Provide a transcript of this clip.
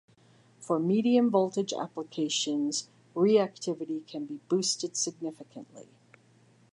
For medium voltage applications, reactivity can be boosted significantly.